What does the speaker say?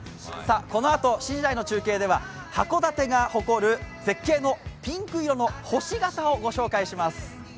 このあと７時台の中継では函館が誇る絶景のピンク色の星形を御紹介します。